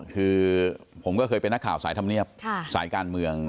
คือผมก็เคยเป็นนักข่าวสายธรรมเนียบสายการเมือง